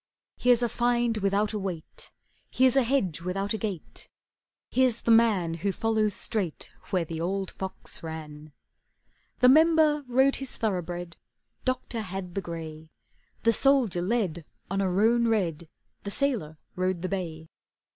Here's a find without a wait! Here's a hedge without a gate! Here's the man who follows straight, Where the old fox ran. The Member rode his thoroughbred, Doctor had the gray, The Soldier led on a roan red, The Sailor rode the bay.